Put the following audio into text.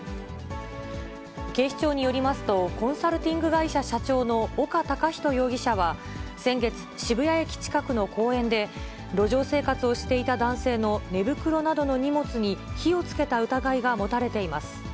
警視庁によりますと、コンサルティング会社社長の岡孝人容疑者は先月、渋谷駅近くの公園で、路上生活をしていた男性の寝袋などの荷物に火をつけた疑いが持たれています。